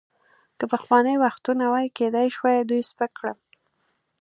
که پخواني وختونه وای، کیدای شوای دوی سپک کړم.